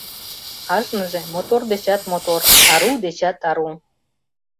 Кажныже мотор дечат мотор, ару дечат ару.